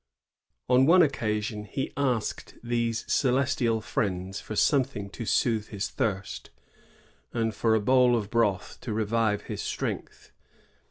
On one occasion he asked these celestial friends for some thing to soothe his thirst, and for a bowl of broth to revive his strength.